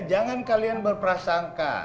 jangan kalian berprasangka